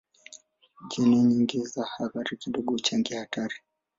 Jeni nyingi za athari kidogo huchangia hatari.